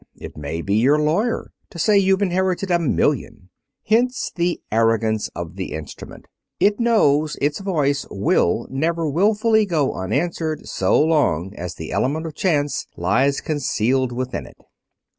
It may be your lawyer to say you've inherited a million. Hence the arrogance of the instrument. It knows its voice will never wilfully go unanswered so long as the element of chance lies concealed within it.